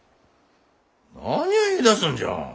何ゅう言いだすんじゃ。